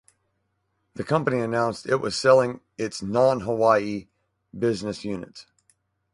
The company announced it was selling its non-Hawaii business units.